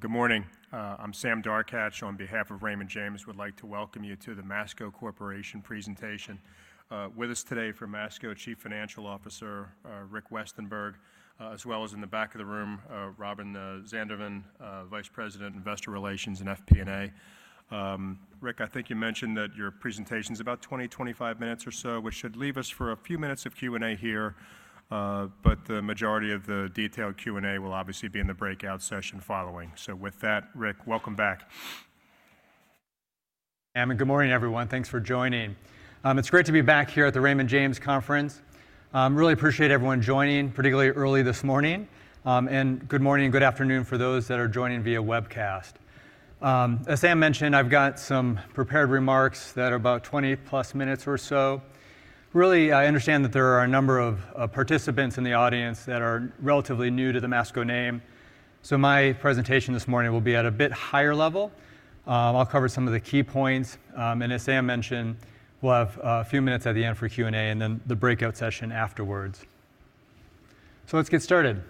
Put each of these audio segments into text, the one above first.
Good morning. I'm Sam Darkatsh, on behalf of Raymond James. I would like to welcome you to the Masco Corporation presentation. With us today for Masco, Chief Financial Officer Rick Westenberg, as well as in the back of the room, Robin Zondervan, Vice President, Investor Relations and FP&A. Rick, I think you mentioned that your presentation is about 20-25 minutes or so, which should leave us for a few minutes of Q&A here, but the majority of the detailed Q&A will obviously be in the breakout session following, so with that, Rick, welcome back. Good morning, everyone. Thanks for joining. It's great to be back here at the Raymond James Conference. I really appreciate everyone joining, particularly early this morning, and good morning and good afternoon for those that are joining via webcast. As Sam mentioned, I've got some prepared remarks that are about 20+ minutes or so. Really, I understand that there are a number of participants in the audience that are relatively new to the Masco name, so my presentation this morning will be at a bit higher level. I'll cover some of the key points, and as Sam mentioned, we'll have a few minutes at the end for Q&A and then the breakout session afterwards. So let's get started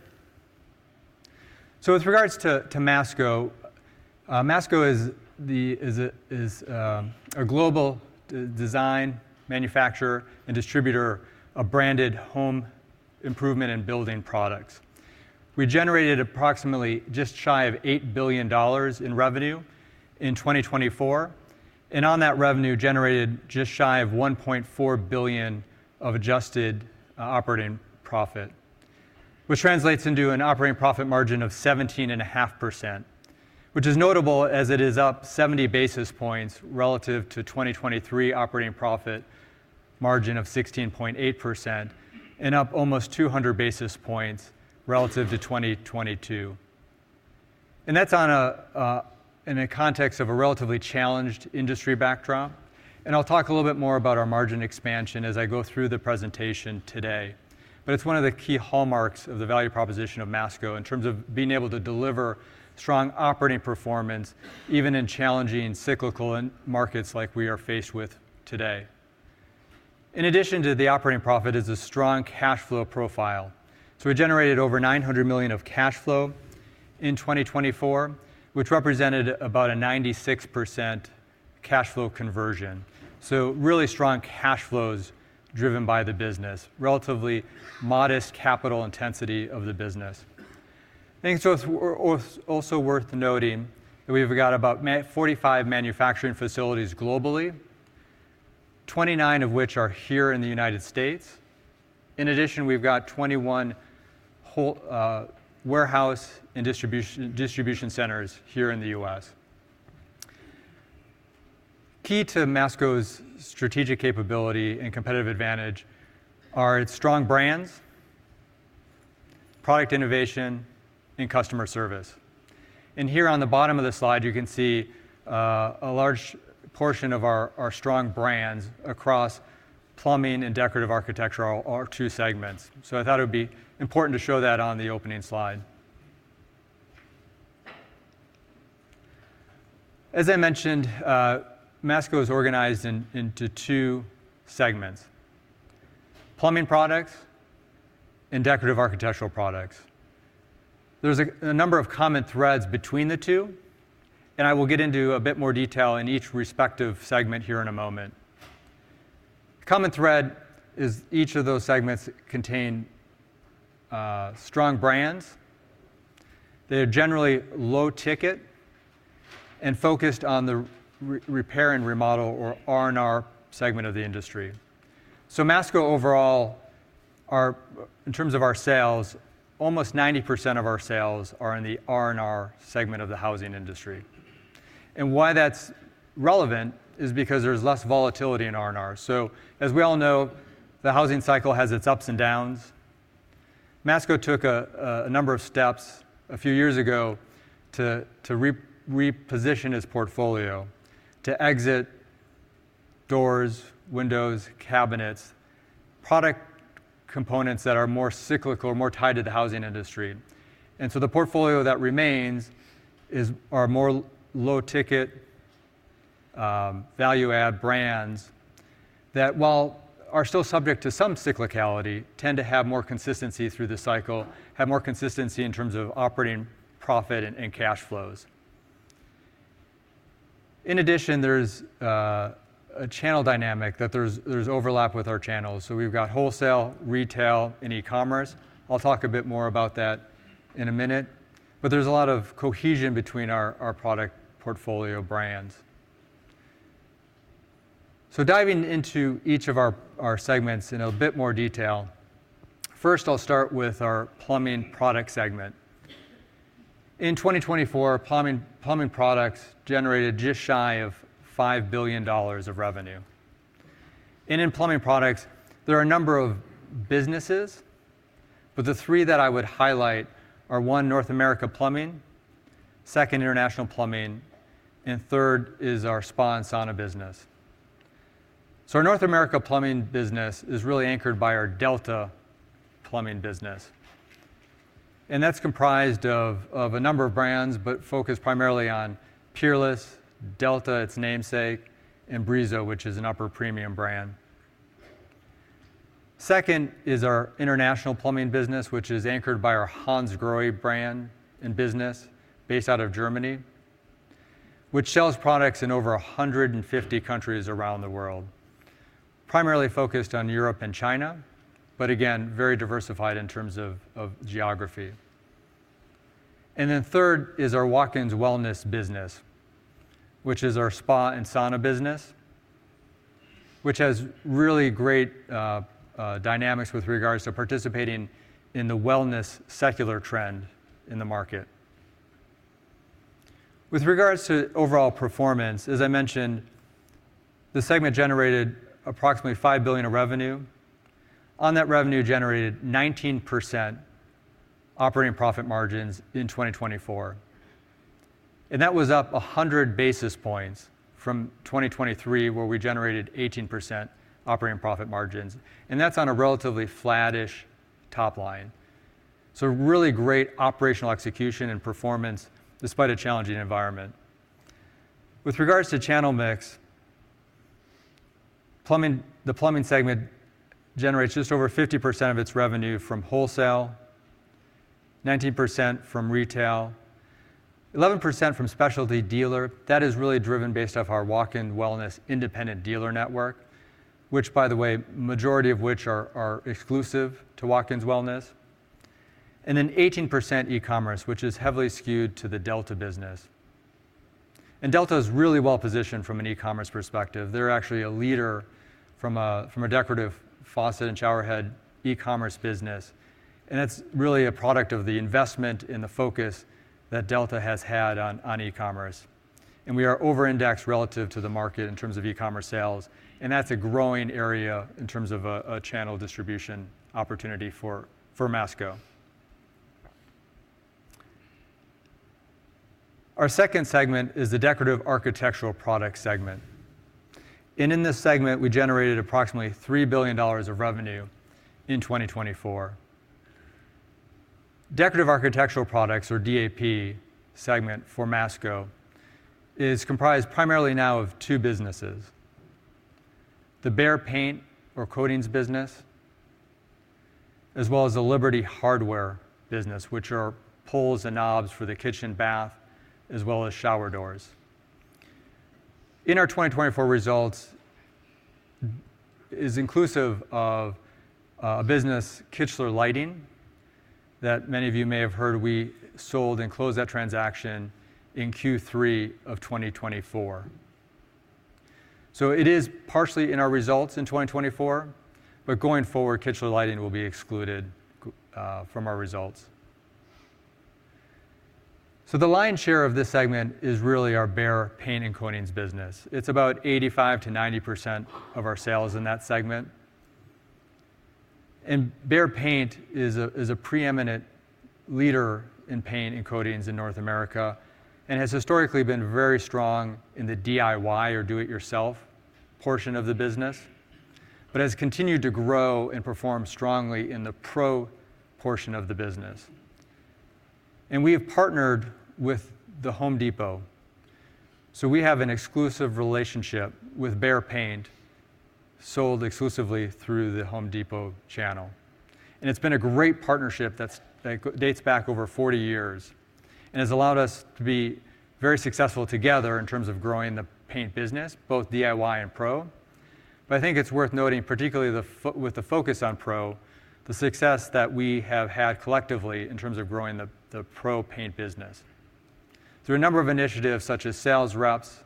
with regards to Masco. Masco is a global design, manufacturer, and distributor of branded home improvement and building products. We generated approximately just shy of $8 billion in revenue in 2024. And on that revenue, generated just shy of $1.4 billion of adjusted operating profit, which translates into an operating profit margin of 17.5%, which is notable as it is up 70 basis points relative to 2023 operating profit margin of 16.8% and up almost 200 basis points relative to 2022. And that's in the context of a relatively challenged industry backdrop. And I'll talk a little bit more about our margin expansion as I go through the presentation today. But it's one of the key hallmarks of the value proposition of Masco in terms of being able to deliver strong operating performance, even in challenging cyclical markets like we are faced with today. In addition to the operating profit, it is a strong cash flow profile. So we generated over $900 million of cash flow in 2024, which represented about a 96% cash flow conversion. So really strong cash flows driven by the business, relatively modest capital intensity of the business. Things also worth noting that we've got about 45 manufacturing facilities globally, 29 of which are here in the United States. In addition, we've got 21 warehouse and distribution centers here in the U.S. Key to Masco's strategic capability and competitive advantage are its strong brands, product innovation, and customer service. And here on the bottom of the slide, you can see a large portion of our strong brands across plumbing and decorative architecture are our two segments. So I thought it would be important to show that on the opening slide. As I mentioned, Masco is organized into two segments: plumbing products and decorative architectural products. There's a number of common threads between the two, and I will get into a bit more detail in each respective segment here in a moment. Common thread is each of those segments contain strong brands. They are generally low ticket and focused on the repair and remodel or R&R segment of the industry. So Masco overall, in terms of our sales, almost 90% of our sales are in the R&R segment of the housing industry. And why that's relevant is because there's less volatility in R&R. So as we all know, the housing cycle has its ups and downs. Masco took a number of steps a few years ago to reposition its portfolio to exit doors, windows, cabinets, product components that are more cyclical, more tied to the housing industry. And so the portfolio that remains are more low-ticket value-add brands that, while are still subject to some cyclicality, tend to have more consistency through the cycle, have more consistency in terms of operating profit and cash flows. In addition, there's a channel dynamic that there's overlap with our channels. So we've got wholesale, retail, and e-commerce. I'll talk a bit more about that in a minute. But there's a lot of cohesion between our product portfolio brands. So diving into each of our segments in a bit more detail, first I'll start with our plumbing product segment. In 2024, plumbing products generated just shy of $5 billion of revenue. And in plumbing products, there are a number of businesses, but the three that I would highlight are one, North America Plumbing; second, International Plumbing; and third is our Spa and Sauna business. Our North America Plumbing business is really anchored by our Delta Plumbing business. And that's comprised of a number of brands, but focused primarily on Peerless, Delta, its namesake, and Brizo, which is an upper premium brand. Second is our International Plumbing business, which is anchored by our Hansgrohe brand and business based out of Germany, which sells products in over 150 countries around the world, primarily focused on Europe and China, but again, very diversified in terms of geography. And then third is our Watkins Wellness business, which is our spa and sauna business, which has really great dynamics with regards to participating in the wellness secular trend in the market. With regards to overall performance, as I mentioned, the segment generated approximately $5 billion of revenue. On that revenue, generated 19% operating profit margins in 2024. And that was up 100 basis points from 2023, where we generated 18% operating profit margins. And that's on a relatively flattish top line. So really great operational execution and performance despite a challenging environment. With regards to channel mix, the plumbing segment generates just over 50% of its revenue from wholesale, 19% from retail, 11% from specialty dealer. That is really driven based off our Watkins Wellness independent dealer network, which, by the way, the majority of which are exclusive to Watkins Wellness. And then 18% e-commerce, which is heavily skewed to the Delta business. And Delta is really well positioned from an e-commerce perspective. They're actually a leader from a decorative faucet and showerhead e-commerce business. And that's really a product of the investment and the focus that Delta has had on e-commerce. And we are over-indexed relative to the market in terms of e-commerce sales. That's a growing area in terms of a channel distribution opportunity for Masco. Our second segment is the decorative architectural product segment. In this segment, we generated approximately $3 billion of revenue in 2024. Decorative architectural products, or DAP segment for Masco, is comprised primarily now of two businesses: the Behr paint or coatings business, as well as the Liberty Hardware business, which are pulls and knobs for the kitchen bath, as well as shower doors. In our 2024 results, it is inclusive of a business, Kichler Lighting, that many of you may have heard we sold and closed that transaction in Q3 of 2024. It is partially in our results in 2024, but going forward, Kichler Lighting will be excluded from our results. The lion's share of this segment is really our Behr paint and coatings business. It's about 85%-90% of our sales in that segment. And Behr paint is a preeminent leader in paint and coatings in North America and has historically been very strong in the DIY or do-it-yourself portion of the business, but has continued to grow and perform strongly in the pro portion of the business. And we have partnered with the Home Depot. So we have an exclusive relationship with Behr paint sold exclusively through the Home Depot channel. And it's been a great partnership that dates back over 40 years and has allowed us to be very successful together in terms of growing the paint business, both DIY and pro. But I think it's worth noting, particularly with the focus on pro, the success that we have had collectively in terms of growing the pro paint business. Through a number of initiatives such as sales reps,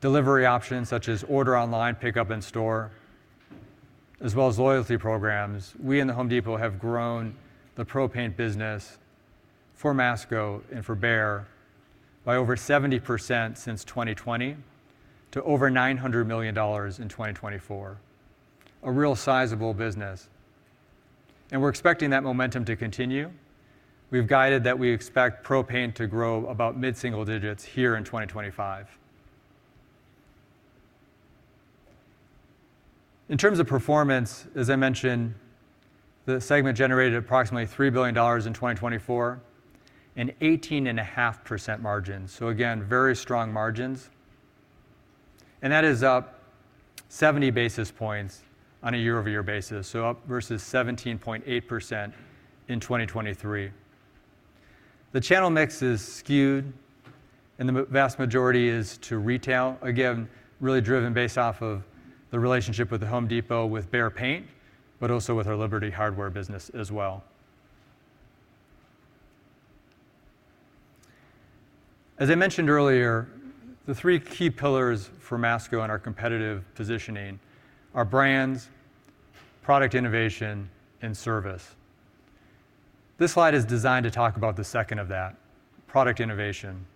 delivery options such as order online, pick up in store, as well as loyalty programs, we in the Home Depot have grown the pro paint business for Masco and for Behr by over 70% since 2020 to over $900 million in 2024, a real sizable business. And we're expecting that momentum to continue. We've guided that we expect pro paint to grow about mid-single digits here in 2025. In terms of performance, as I mentioned, the segment generated approximately $3 billion in 2024 and 18.5% margins. So again, very strong margins. And that is up 70 basis points on a year-over-year basis, so up versus 17.8% in 2023. The channel mix is skewed, and the vast majority is to retail, again, really driven based off of the relationship with The Home Depot with Behr paint, but also with our Liberty Hardware business as well. As I mentioned earlier, the three key pillars for Masco and our competitive positioning are brands, product innovation, and service. This slide is designed to talk about the second of that, product innovation.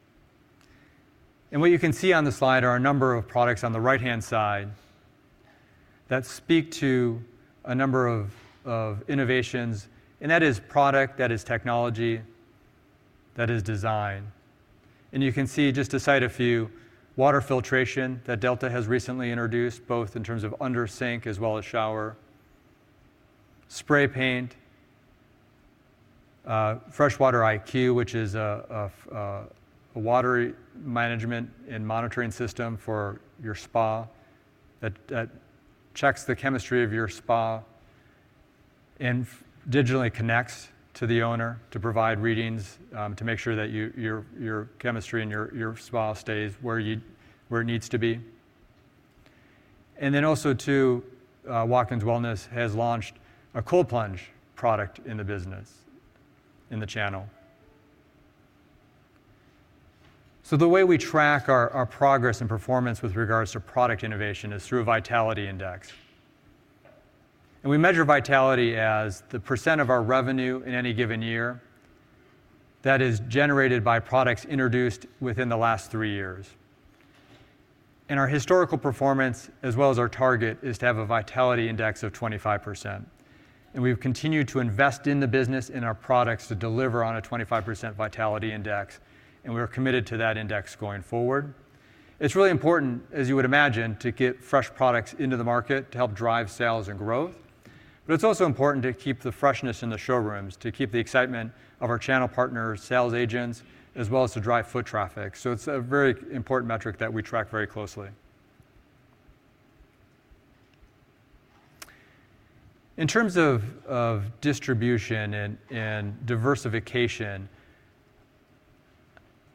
And what you can see on the slide are a number of products on the right-hand side that speak to a number of innovations. And that is product, that is technology, that is design. You can see just to cite a few, water filtration that Delta has recently introduced, both in terms of under sink as well as shower, spray paint, FreshWater IQ, which is a water management and monitoring system for your spa that checks the chemistry of your spa and digitally connects to the owner to provide readings to make sure that your chemistry and your spa stays where it needs to be. And then also too, Watkins Wellness has launched a cold plunge product in the business in the channel. So the way we track our progress and performance with regards to product innovation is through a Vitality Index. And we measure vitality as the percent of our revenue in any given year that is generated by products introduced within the last three years. Our historical performance, as well as our target, is to have a Vitality Index of 25%. We've continued to invest in the business and our products to deliver on a 25% Vitality Index. We're committed to that index going forward. It's really important, as you would imagine, to get fresh products into the market to help drive sales and growth. It's also important to keep the freshness in the showrooms, to keep the excitement of our channel partners, sales agents, as well as to drive foot traffic. It's a very important metric that we track very closely. In terms of distribution and diversification,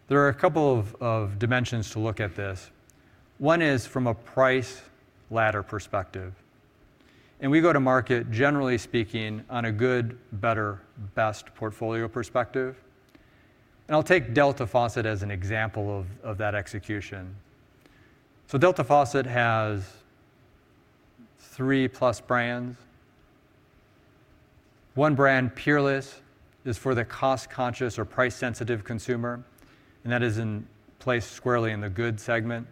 there are a couple of dimensions to look at this. One is from a price ladder perspective. We go to market, generally speaking, on a good, better, best portfolio perspective. I'll take Delta Faucet as an example of that execution. So Delta Faucet has 3+ brands. One brand, Peerless, is for the cost-conscious or price-sensitive consumer, and that is in place squarely in the good segment.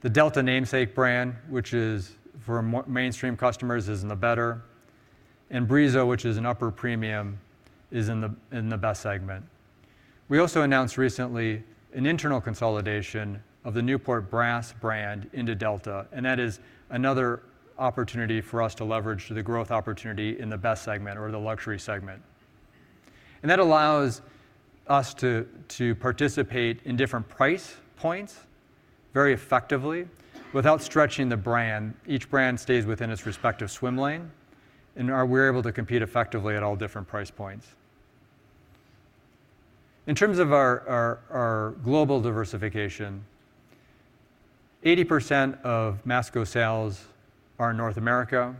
The Delta namesake brand, which is for mainstream customers, is in the better. And Brizo, which is an upper premium, is in the best segment. We also announced recently an internal consolidation of the Newport Brass brand into Delta. And that is another opportunity for us to leverage the growth opportunity in the best segment or the luxury segment. And that allows us to participate in different price points very effectively without stretching the brand. Each brand stays within its respective swim lane, and we're able to compete effectively at all different price points. In terms of our global diversification, 80% of Masco sales are in North America,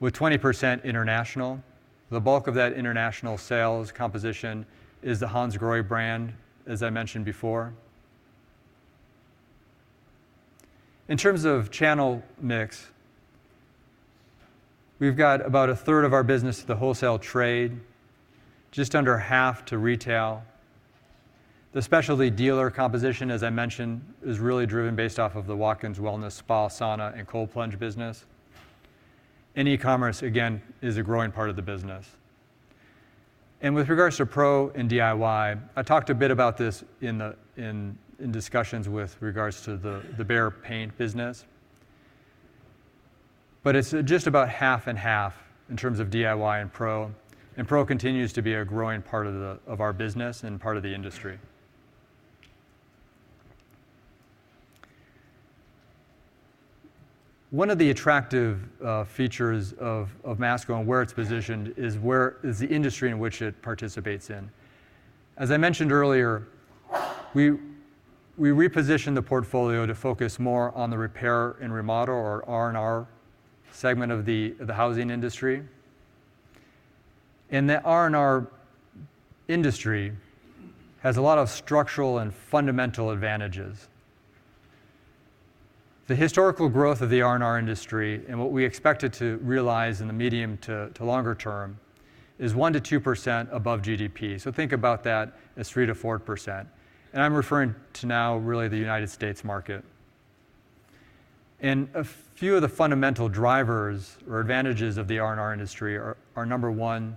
with 20% international. The bulk of that international sales composition is the Hansgrohe brand, as I mentioned before. In terms of channel mix, we've got about a third of our business to the wholesale trade, just under half to retail. The specialty dealer composition, as I mentioned, is really driven based off of the Watkins Wellness, Spa, Sauna, and cold plunge business, and e-commerce, again, is a growing part of the business, and with regards to pro and DIY, I talked a bit about this in discussions with regards to the Behr paint business, but it's just about half and half in terms of DIY and pro, and pro continues to be a growing part of our business and part of the industry. One of the attractive features of Masco and where it's positioned is the industry in which it participates in. As I mentioned earlier, we repositioned the portfolio to focus more on the repair and remodel, or R&R segment of the housing industry. And the R&R industry has a lot of structural and fundamental advantages. The historical growth of the R&R industry and what we expect it to realize in the medium to longer term is 1%-2% above GDP. So think about that as 3%-4%. And I'm referring to now really the United States market. And a few of the fundamental drivers or advantages of the R&R industry are, number one,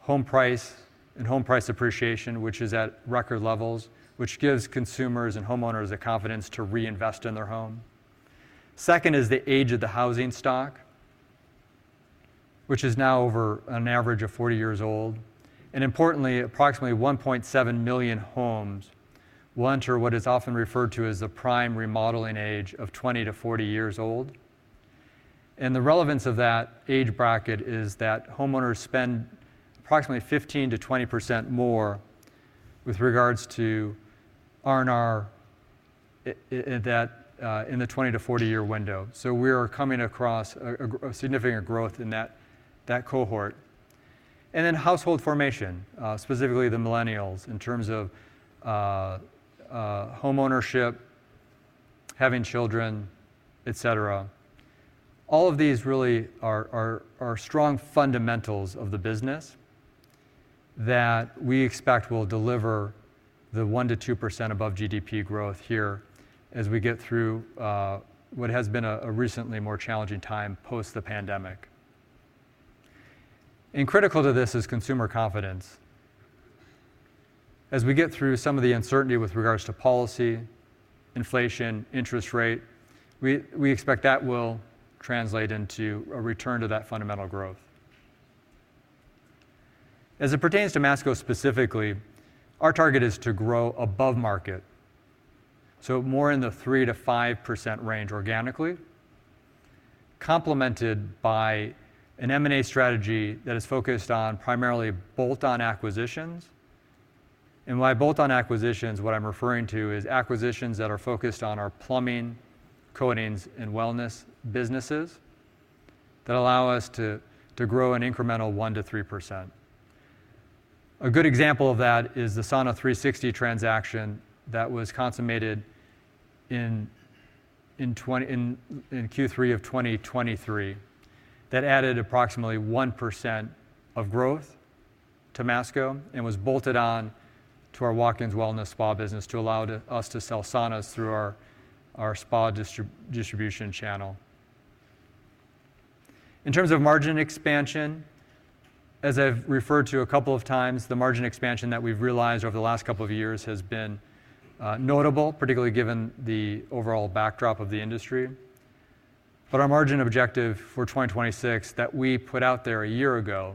home price and home price appreciation, which is at record levels, which gives consumers and homeowners the confidence to reinvest in their home. Second is the age of the housing stock, which is now over an average of 40 years old. Importantly, approximately 1.7 million homes will enter what is often referred to as the prime remodeling age of 20-40 years old. The relevance of that age bracket is that homeowners spend approximately 15%-20% more with regards to R&R in the 20-40-year window. We are coming across a significant growth in that cohort. Household formation, specifically the millennials, in terms of homeownership, having children, etc., all really are strong fundamentals of the business that we expect will deliver the 1%-2% above GDP growth here as we get through what has been a recently more challenging time post the pandemic. Critical to this is consumer confidence. As we get through some of the uncertainty with regards to policy, inflation, interest rate, we expect that will translate into a return to that fundamental growth. As it pertains to Masco specifically, our target is to grow above market, so more in the 3%-5% range organically, complemented by an M&A strategy that is focused on primarily bolt-on acquisitions. And by bolt-on acquisitions, what I'm referring to is acquisitions that are focused on our plumbing, coatings, and wellness businesses that allow us to grow an incremental 1%-3%. A good example of that is the Sauna360 transaction that was consummated in Q3 of 2023 that added approximately 1% of growth to Masco and was bolted on to our Watkins Wellness Spa business to allow us to sell saunas through our spa distribution channel. In terms of margin expansion, as I've referred to a couple of times, the margin expansion that we've realized over the last couple of years has been notable, particularly given the overall backdrop of the industry. Our margin objective for 2026 that we put out there a year ago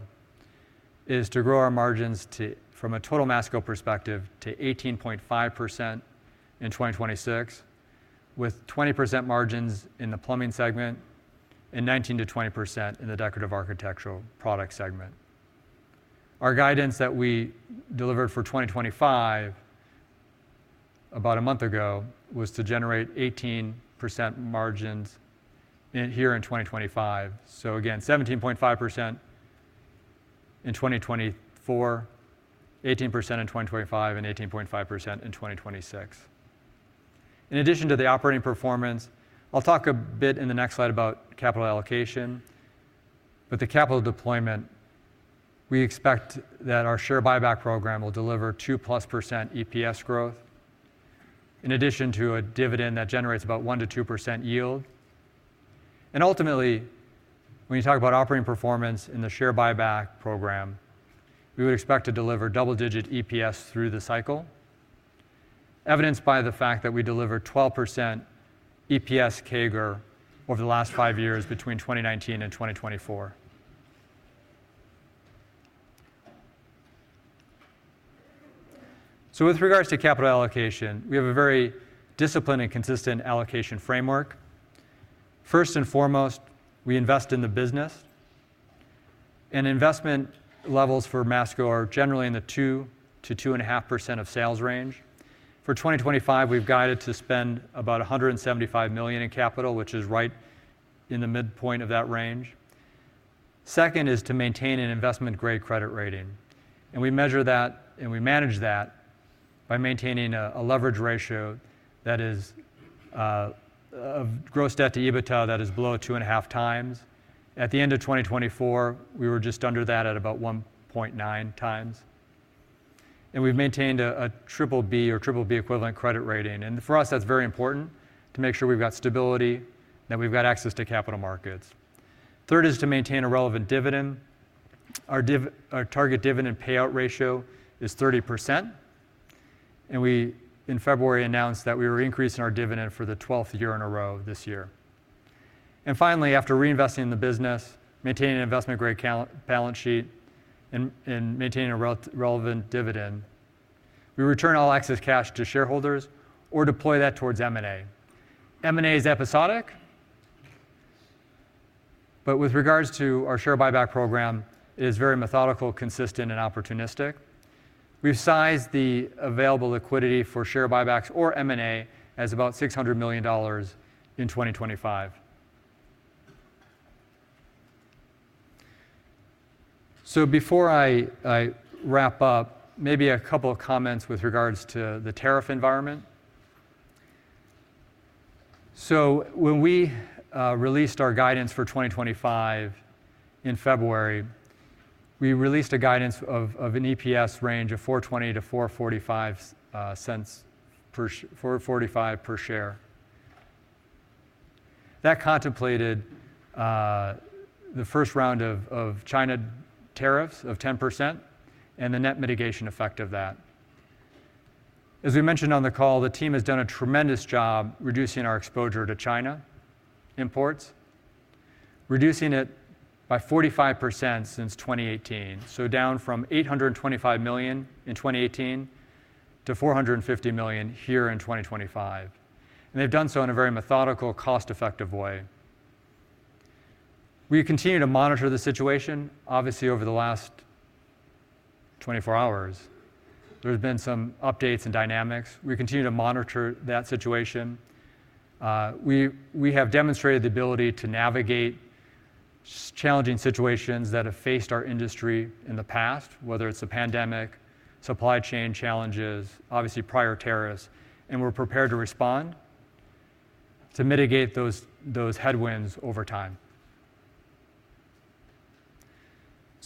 is to grow our margins from a total Masco perspective to 18.5% in 2026, with 20% margins in the plumbing segment and 19%-20% in the decorative architectural product segment. Our guidance that we delivered for 2025 about a month ago was to generate 18% margins here in 2025. Again, 17.5% in 2024, 18% in 2025, and 18.5% in 2026. In addition to the operating performance, I'll talk a bit in the next slide about capital allocation. With the capital deployment, we expect that our share buyback program will deliver 2%+ EPS growth in addition to a dividend that generates about 1%-2% yield. Ultimately, when you talk about operating performance in the share buyback program, we would expect to deliver double-digit EPS through the cycle, evidenced by the fact that we delivered 12% EPS CAGR over the last five years between 2019 and 2024. With regards to capital allocation, we have a very disciplined and consistent allocation framework. First and foremost, we invest in the business. Investment levels for Masco are generally in the 2-2.5% of sales range. For 2025, we've guided to spend about $175 million in capital, which is right in the midpoint of that range. Second is to maintain an investment-grade credit rating. We measure that and we manage that by maintaining a leverage ratio that is of gross debt to EBITDA that is below 2.5 times. At the end of 2024, we were just under that at about 1.9 times. We've maintained a BBB or BBB-equivalent credit rating. For us, that's very important to make sure we've got stability and that we've got access to capital markets. Third is to maintain a relevant dividend. Our target dividend payout ratio is 30%. In February we announced that we were increasing our dividend for the 12th year in a row this year. Finally, after reinvesting in the business, maintaining an investment-grade balance sheet, and maintaining a relevant dividend, we return all excess cash to shareholders or deploy that towards M&A. M&A is episodic. With regards to our share buyback program, it is very methodical, consistent, and opportunistic. We've sized the available liquidity for share buybacks or M&A as about $600 million in 2025. Before I wrap up, maybe a couple of comments with regards to the tariff environment. When we released our guidance for 2025 in February, we released a guidance of an EPS range of $4.20-$4.45 per share. That contemplated the first round of China tariffs of 10% and the net mitigation effect of that. As we mentioned on the call, the team has done a tremendous job reducing our exposure to China imports, reducing it by 45% since 2018, so down from $825 million in 2018 to $450 million here in 2025. And they've done so in a very methodical, cost-effective way. We continue to monitor the situation. Obviously, over the last 24 hours, there have been some updates and dynamics. We continue to monitor that situation. We have demonstrated the ability to navigate challenging situations that have faced our industry in the past, whether it's a pandemic, supply chain challenges, obviously prior tariffs. We're prepared to respond to mitigate those headwinds over time.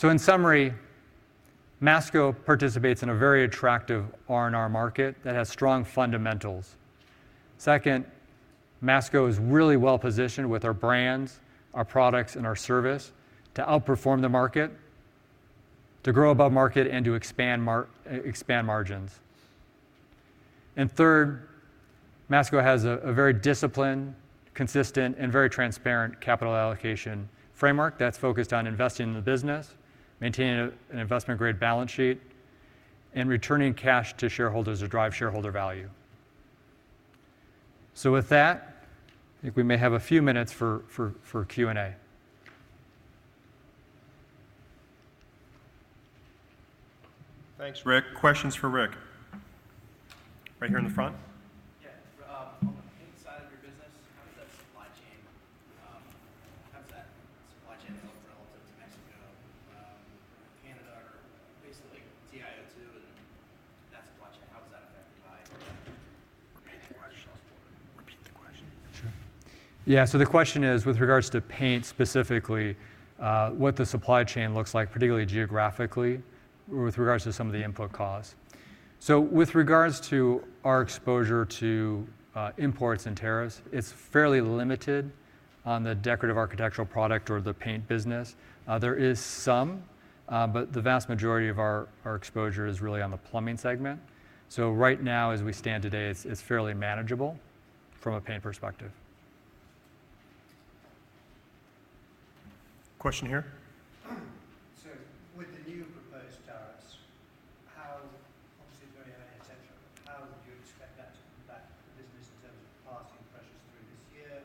In summary, Masco participates in a very attractive R&R market that has strong fundamentals. Second, Masco is really well positioned with our brands, our products, and our service to outperform the market, to grow above market, and to expand margins. Third, Masco has a very disciplined, consistent, and very transparent capital allocation framework that's focused on investing in the business, maintaining an investment-grade balance sheet, and returning cash to shareholders to drive shareholder value. With that, I think we may have a few minutes for Q&A. Thanks, Rick. Questions for Rick right here in the front? Yeah. On the paint side of your business, how does that supply chain look relative to Mexico or Canada or basically TiO2 and that supply chain? How is that affected by? Repeat the question. Sure. Yeah. So the question is, with regards to paint specifically, what the supply chain looks like, particularly geographically, with regards to some of the input costs. So with regards to our exposure to imports and tariffs, it's fairly limited on the decorative architectural product or the paint business. There is some, but the vast majority of our exposure is really on the plumbing segment. So right now, as we stand today, it's fairly manageable from a paint perspective. Question here. With the new proposed tariffs, obviously very high incentive, how would you expect that to impact the business in terms of passing pressures through this year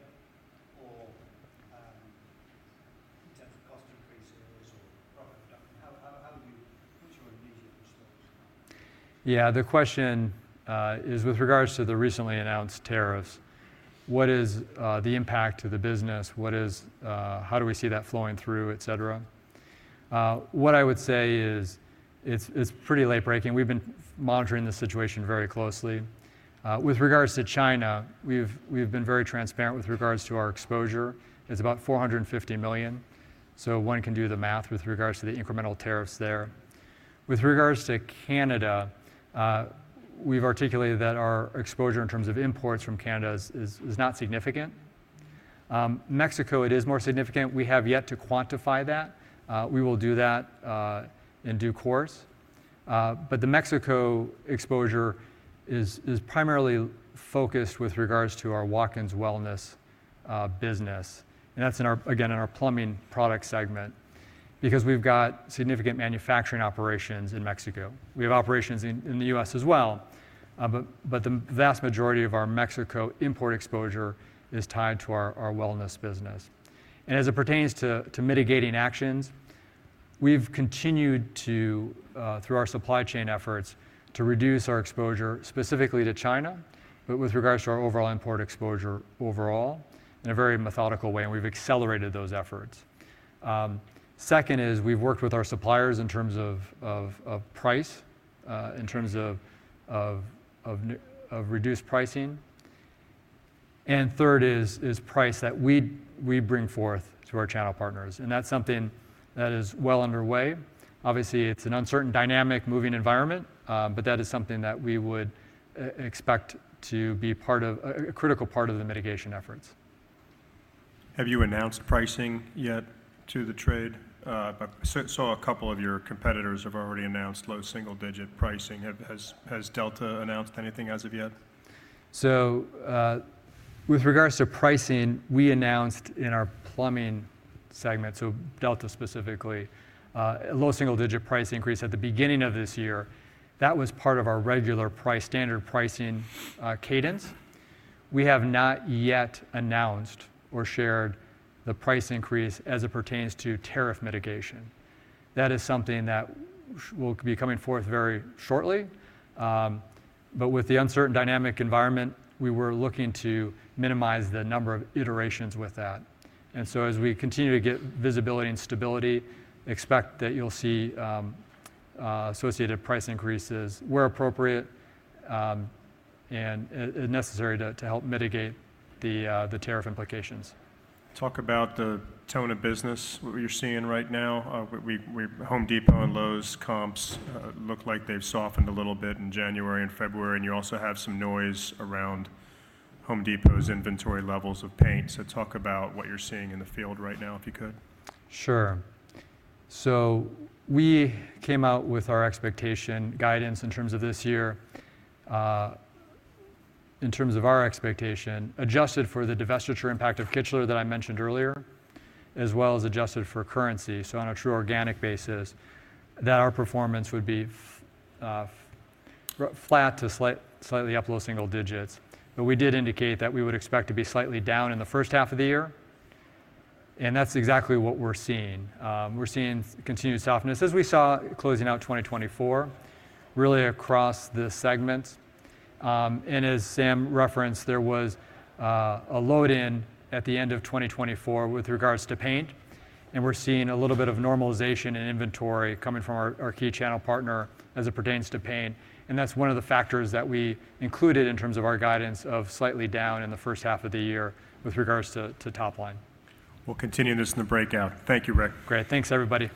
or in terms of cost increases or profit reduction? What's your immediate response? Yeah. The question is, with regards to the recently announced tariffs, what is the impact to the business? How do we see that flowing through, etc.? What I would say is it's pretty late-breaking. We've been monitoring the situation very closely. With regards to China, we've been very transparent with regards to our exposure. It's about $450 million. So one can do the math with regards to the incremental tariffs there. With regards to Canada, we've articulated that our exposure in terms of imports from Canada is not significant. Mexico, it is more significant. We have yet to quantify that. We will do that in due course. But the Mexico exposure is primarily focused with regards to our Watkins Wellness business. And that's again in our plumbing product segment because we've got significant manufacturing operations in Mexico. We have operations in the U.S. as well. But the vast majority of our Mexico import exposure is tied to our wellness business. And as it pertains to mitigating actions, we've continued to, through our supply chain efforts, to reduce our exposure specifically to China, but with regards to our overall import exposure overall in a very methodical way. And we've accelerated those efforts. Second is we've worked with our suppliers in terms of price, in terms of reduced pricing. And third is price that we bring forth to our channel partners. And that's something that is well underway. Obviously, it's an uncertain, dynamic, moving environment, but that is something that we would expect to be a critical part of the mitigation efforts. Have you announced pricing yet to the trade? I saw a couple of your competitors have already announced low single-digit pricing. Has Delta announced anything as of yet? So with regards to pricing, we announced in our plumbing segment, so Delta specifically, a low single-digit price increase at the beginning of this year. That was part of our regular standard pricing cadence. We have not yet announced or shared the price increase as it pertains to tariff mitigation. That is something that will be coming forth very shortly. But with the uncertain dynamic environment, we were looking to minimize the number of iterations with that. And so as we continue to get visibility and stability, expect that you'll see associated price increases where appropriate and necessary to help mitigate the tariff implications. Talk about the tone of business, what you're seeing right now. Home Depot and Lowe's comps look like they've softened a little bit in January and February. And you also have some noise around Home Depot's inventory levels of paint. So talk about what you're seeing in the field right now, if you could. Sure, so we came out with our expectation guidance in terms of this year, in terms of our expectation, adjusted for the divestiture impact of Kichler that I mentioned earlier, as well as adjusted for currency, so on a true organic basis, that our performance would be flat to slightly up low single digits, but we did indicate that we would expect to be slightly down in the first half of the year. That's exactly what we're seeing. We're seeing continued softness, as we saw closing out 2024, really across the segments, and as Sam referenced, there was a load-in at the end of 2024 with regards to paint. We're seeing a little bit of normalization in inventory coming from our key channel partner as it pertains to paint. That's one of the factors that we included in terms of our guidance of slightly down in the first half of the year with regards to top line. We'll continue this in the breakout. Thank you, Rick. Great. Thanks, everybody.